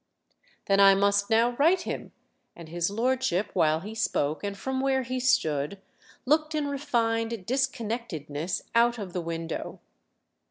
"Then I must now write him"—and his lordship, while he spoke and from where he stood, looked in refined disconnectedness out of the window.